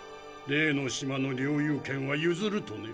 「例の島の領有権はゆずる」とね。